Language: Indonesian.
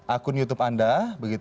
akun youtube anda